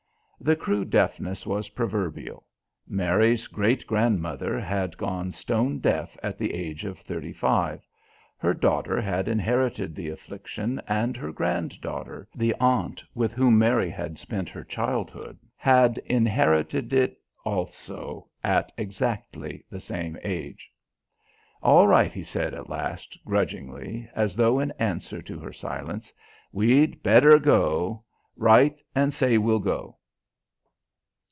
The Crewe deafness was proverbial. Mary's great grandmother had gone stone deaf at the age of thirty five; her daughter had inherited the affliction and her grand daughter, the aunt with whom Mary had spent her childhood, had inherited it also at exactly the same age. "All right," he said at last, grudgingly, as though in answer to her silence, "we'd better go. Write and say we'll go."